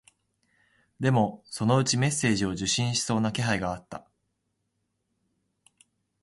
でも、そのうちメッセージを受信しそうな気配があった